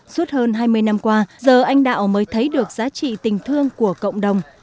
suốt hơn hai mươi năm qua giờ anh đạo mới thấy được giá trị tình thương của cộng đồng